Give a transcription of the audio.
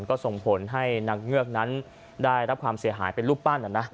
ก็ส่งผลให้นางเงือกนั้นได้รับความเสียหายเป็นรูปปั้น